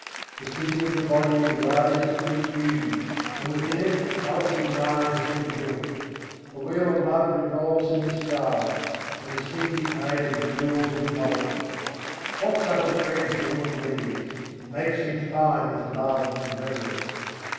The city of the body arises in its beauty; and within it the palace of the mind has been built. The wheel of love revolves in the sky, and the seat is made of the jewels of knowledge: What subtle threads the woman weaves, and makes them fine with love and reverence!